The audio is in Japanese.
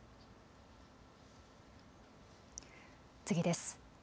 次です。